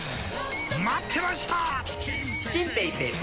待ってました！